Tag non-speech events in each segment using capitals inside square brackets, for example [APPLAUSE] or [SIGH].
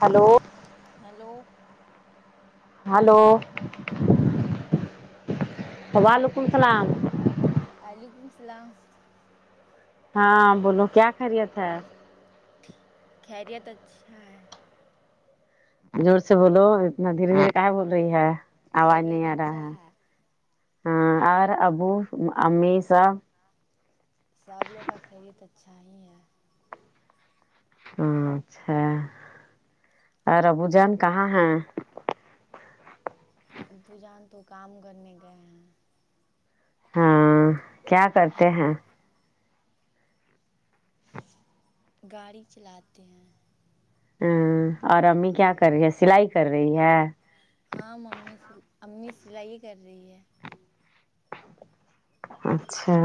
hello hello hello hello وعلیکم السلام وعلیکم السلام ہاں بولو کیا خیریت ہے خیریت اچھا ہے زور سے بولو اتنا دیر میں کہاں بول رہی ہے آواز خیریت نہیں آ رہا اچھا ہے ہاں اور ابو امی سب سب لوگ کا خیریت اچھا ہی ہے اچھا اور ابو جان کہاں ہیں ابو جان تو کام کرنے گئے ہیں ہاں کیا کرتے ہاں ہیں گاڑی چلاتے ہیں ہمم اور امی کیا کر رہی ہے سلائی کر رہی ہے ہاں ممی امی سلائی کر رہی ہے اچھا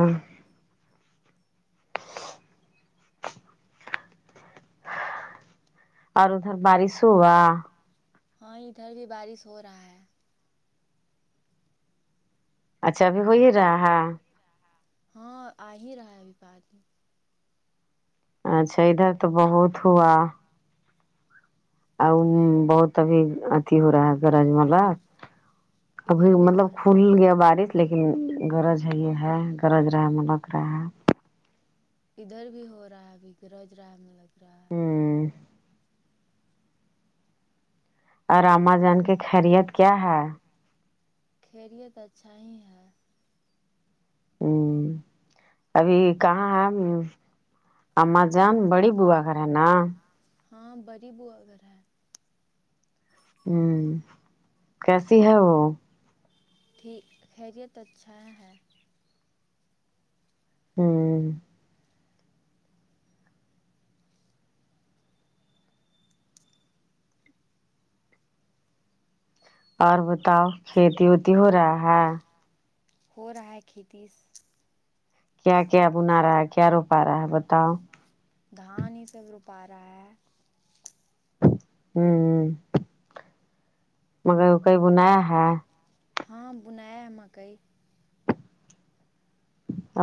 اور ادھر بارش ہوا ہاں ادھر بھی بارش ہو رہا ہے اچھا ابھی ہو ہی رہا ہے ہاں آ ہی رہا ہے ابھی پا اچھا ادھر تو بہت ہوا ا بہت ابھی اتیھی ہو رہا ہے گ رج مال ابھی ادھر بھی مطلب ہو رہا کھل ہے گیا بارش لیکن گغرج ہے ہے گرج رہے ملک رہے ادھر بھی ہو رہا ہے ابھی گرج رہا میں لگ رہا ہے ہمم اور اماں جان کی خیریت کیا ہے خیریت اچھا ہی ہے ہوں ابھی کہاں ہے اماں جان بڑی بووا رہا ہے نا ہاں بریی بواگھر رہے ہمم کیسی ہے وہ ٹھیک خیریت اچھا ہے ہمم اور بتاؤ کھیتی وتی ہو رہا ہے ہو رہا ہے کھیتیس کیا کیا بنا رہا ہے کیا رو پا رہا ہے بتاؤ دھان ہی سب روپا رہا ہے ہوں مگر کئی بنایا ہا ہاں بنایا مکئی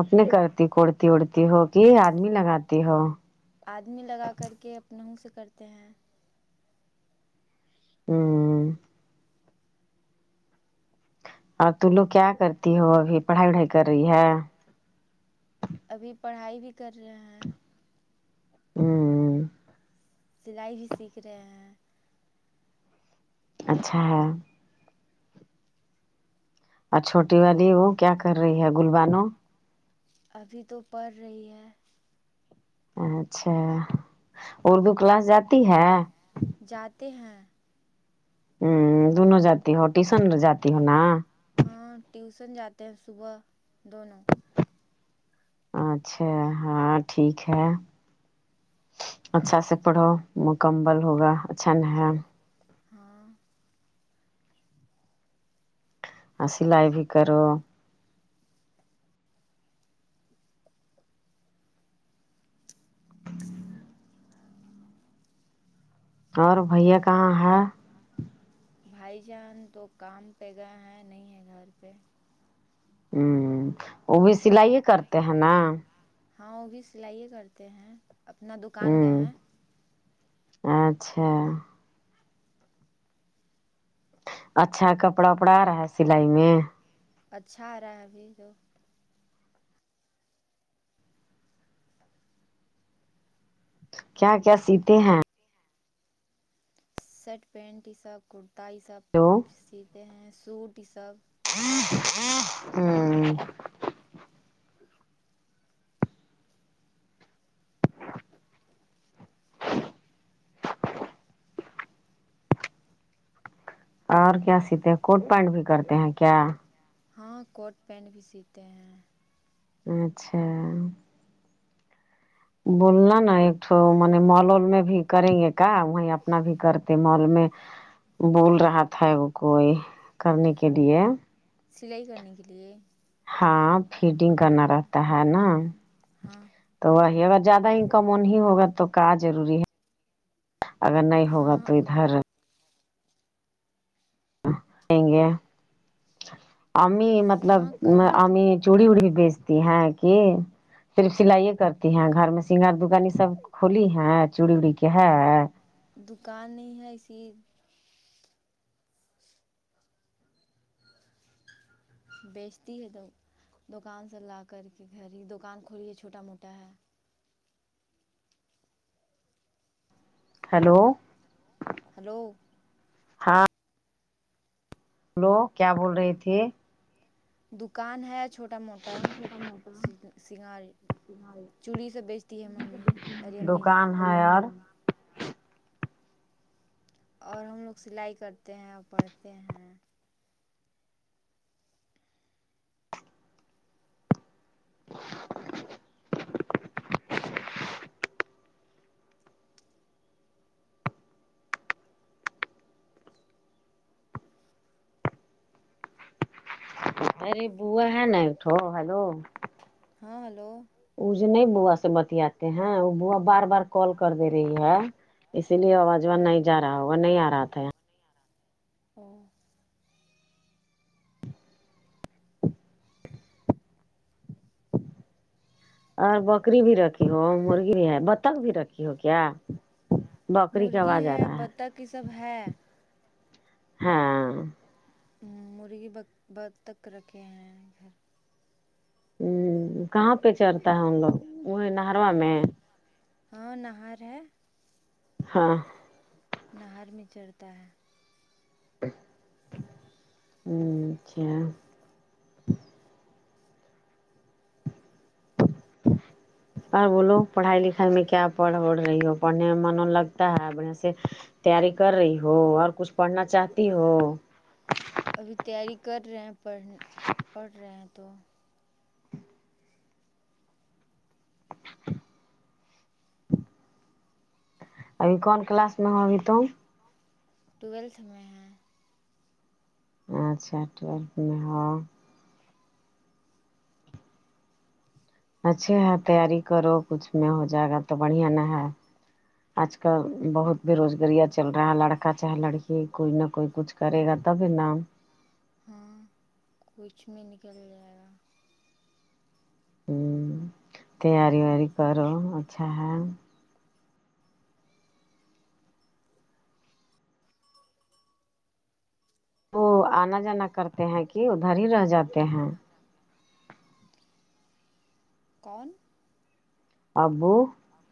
اپنے کرتی کوڑتی اڑتی ہو کہ آدمی لگاتی ہو آدمی لگا کر کے اپنوں سے کرتے ہیں ہاں اور تم لوگ کیا کرتی ہو ابھی پڑھائی وڑائی کر رہی ہے ابھی پڑھائی بھی کر رہا ہے ہوں سلائی بھی سیکھ رہے ہیں اچھا ہے اور چھوٹی والی وہ کیا کر رہی ہے گلبانو ابھی تو پڑھ رہی ہے اچھا اردو کلاس جاتی ہے جاتے ہیں ہمم دونوں جاتی ہو ٹیشن مے جاتی ہو نا ہاں ٹیوسن جاتے ہیں صبح دونوں اچھا ہاں ٹھیک ہے اچھا سے پڑھو کمبل ہوگا اچھن ہے ہاں اور سلائی بھی کرو اور بھیا کہاں ہے بھائی جان تو کام پہ گئے ہے نہیں ہے گھر پہ ہوں وہ بھی سلائی کرتے ہیں نا ہاں وہ بھی سلائی کرتے ہیں اپنا دکان گئے ہوں ہیں اچھا اچھا کپڑا وپڑا آ رہا ہے سلائی میں اچھا آ رہا ہے ابھی جو کیا کیا سیتے ہیں شرٹ پینٹ یہ سب کرتا یہ سب ہیلو سیتے ہیں سوٹ یہ سب ہمم اور کیا سیتے ہیں کوٹ پینٹ بھی کرتے ہیں کیا ہاں کوٹ پینٹ بھی سیتے ہیں اچھا بولنا نا ایکٹ مال و میں بھی کریں گے کا وہیں اپنا بھی کرتے مال میں بول رہا تھا وہ کوئی کرنے کے لیے سلائی کرنے کے لئے ہاں فیڈنگ کرنا رہتا ہے نا ہاں تو وہی اگر زیادہ انکم وہ نہیں ہوگا تو کہا ضروری ہے اگر نہیں ہوگا ہاں تو ادھر ہیں گے امی مطلب ہاں کرنے کی امی چوڑی وڑی بھی بیچتی ہے کہ صرف سلائیے کرتی ہیں گھر میں سنگار دکانی سب کھلی ہے چوڑی اڑی کے ہے دکان نہیں ہے اسی بیچتی ہے تو دکان سے لا کر کے گھر ہی دکان کھولی ہے چھوٹا موٹا ہے ہیلو ہلو ہاں ہلو کیا بول رہے تھے دکان ہے چھوٹا موٹا سنگاری چوڑی سب بیچتی ہے ممی اری اممی جان دکان ہے اور اور ہم لوگ سلائی کرتے ہیں اور پڑھتے ہیں ارے بوو ہے ن اٹو ہلو ہاں ہلو وہ جو نہیں بوا سے بتیاتے ہیں وہ بوا بار بار کال کر دے رہی ہے اسی لیے آواز واز ہاں نہیں جا رہا ہوگا نہیں آ رہا تھا او اور بکری بھی رہتی ر ہو مرغی بھی ہے بتخ بھی رکھی ہو کیا بکری کی آواز آ رہا ہے تک کی سب ہے ہاں مرغی ب بدق رکھے ہیں ہ کہاں پہ چڑتا ہے ہم لوگ وہ نہروا میں ہاں نہر ہے ہاں نہر میں چڑھتا ہے ہ اچھا اور بولو پڑھائی لکھائی امیں کیا پڑ ہوڑ رہی ہو پنے من لگتا ہے تاری کر رہی ہو اور کچھ پڑھنا چاہتی ہو ابھی تیاری کر رہے ہیں پڑھ پڑھ رہے ہیں تو ابھی کون کلاس میں ہو ابھی تم ٹویلتھ میں ہے اچھا ٹویلتھ میں ہو اچھے ہے تیاری کرو کچھ میں ہو جائے گا تو بڑھیا نہ ہے آج کل بہت بےروزگاریاں چل رہا ہے لڑکا چاہے لڑکی کوئی نہ کوئی کچھ کرے گا تبھی نام ہاں کچھ میں نکل جائے گا ہوں تیاری ویاری کرو اچھا ہے وہ آنا جانا کرتے ہیں کہ ادھر ہی رہ جاتے ہیں کون ابو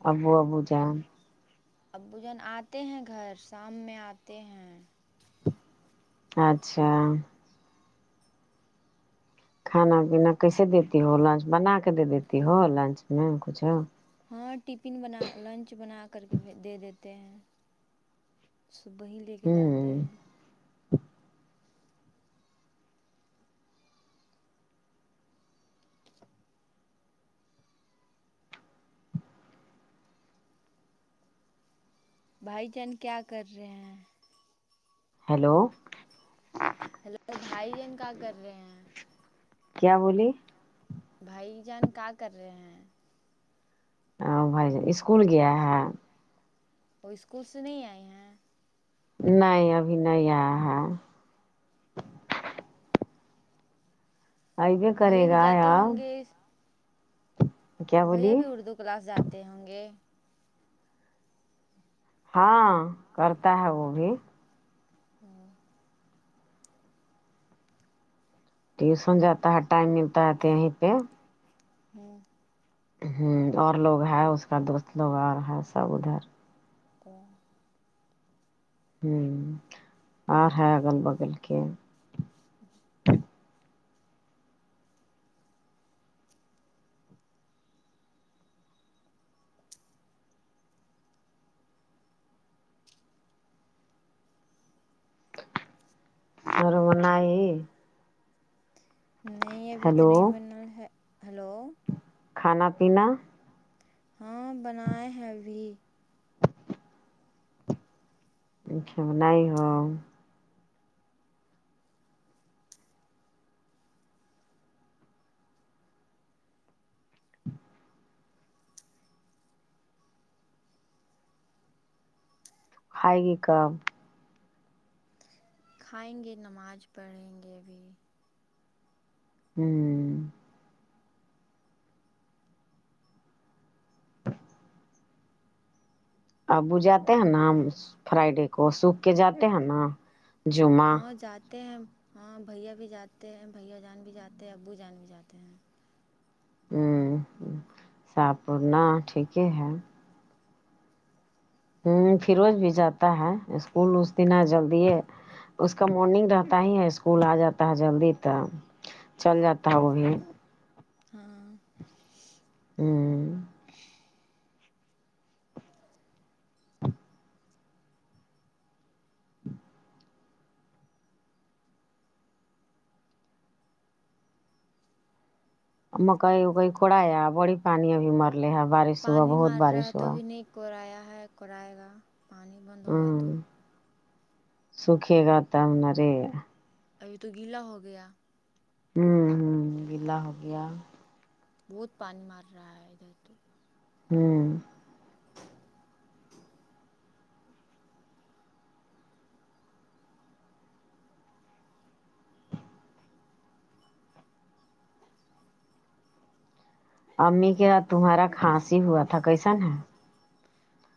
ابو ابو جان ابو جان آتے ہیں گھر شام میں آتے ہیں اچھا کھانا پینا کیسے دیتی ہو لنچ بنا کے دے دیتی ہو لنچ میں کچھ ہو ہاں ٹفن بنا لنچ بنا کر کے دے دیتے ہیں صبح ہی لے کے جاتے ہوں ہیں بھائی جان کیا کر رہے ہیں ہیلو ہیلو بھائی جان کا کر رہے ہیں کیا بولیے بھائی جان کیا کر رہے ہیں ا بھائی اسکول گیا ہے وہ اسکول سے نہیں آئے ہیں نہیں ابھی نہیں آیا ہے ابھی بھیا کرے بھی گا جاتے یا ہوں گے کیا بھیا بولی بھی اردو کلاس جاتے ہوں گے ہاں کرتا ہے وہ بھی ہاں ٹیوسن جاتا ہے ٹائم ملتا ہے کہیں پہ ہاں ہ اور لوگ ہے اس کا دوست لوگ اور ہے سب ادھر تو ہوں آر ہے اگل بگل کے [UNINTELLIGIBLE] نہیں ابھی تو ہیلو نہیں بنا ہے ہلو کھانا پینا ہاں بنائے ہیں ابھی [UNINTELLIGIBLE] [UNINTELLIGIBLE] کھائے گی کب کھائیں گے نماز پڑھیں گے ابھی ہوں ابو جاتے ہیں نا ہم فرائیڈے کو سوکھ کے جاتے ہیں نا جمعہ ہاں جاتے ہیں ہاں بھیا بھی جاتے ہیں بھیا جان بھی جاتے ہیں ابو جان بھی جاتے ہیں ہوں ساف پورنا ٹھیک ہے ہوں فھروز بھی جاتا ہے اسکول اس دن جلدی ہے اس کا مارننگ رہتا ہی ہے اسکول آجاتا ہے جلدی کا چل جاتا ہے وہی ہاں ہوں ج مکئی وکئی کوڑایا بڑی پانی ابھی مرلے ہے بارش ہوا پانی بہت مار رہا ہے بارش تو ہوا ابھی کوورایا ہے کوائے گا پانی بند ہوگا ہوں تو سکھے گا تب نا رے ابھی تو گیلا ہو گیا ہوں ہوں گیلا ہو گیا بہت پانی مار رہا ہے ادھر تو ہوں امی کے تمہارا کھانسی ہی ہوا تھا کیسان ہے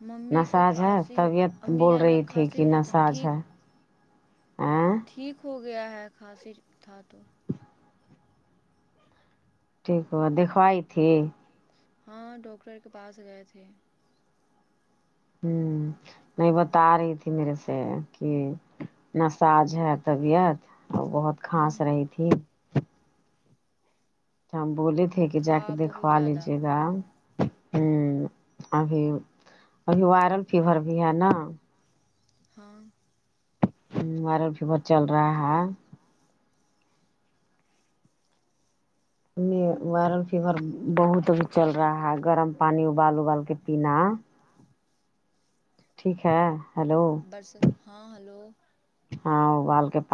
ممی کا نساج ہے کھانسی طبیعت امی بول جان کا رہی تھی کھانسی کہ ہوا تھا نساج ٹھیک ہے ا ٹھیک ہو گیا ہے کھانسی تھا تو [UNINTELLIGIBLE] ٹھیک ہوا دکھوائی تھی ہاں ڈاکٹر کے پاس گئے تھے ہوں نہیں بتا رہی تھی میرے سے کہ نساج ہے طبیعت اور بہت ہوں کھانس رہی تھی تو ہم بولے تھے کہ جا تھا کے بہت دیکوا زیادہ لیجے گا ہمم ابھی ابھی وائرل فیور بھی ہے نا ہاں وائرل فیر چل رہا ہے وائرل فیور بہت اب چل رہا ہے گرم پانی ابال ابال کے پینا ہاں ہاں ٹھیک ہے ہیلو برس ہاں ہلو ہاں بال کے پا